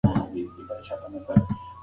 د پیلوټ غږ په الوتکه کې پورته شو.